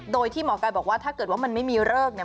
โดยที่หมอกายบอกว่าถ้าเกิดว่ามันไม่มีเลิกเนี่ย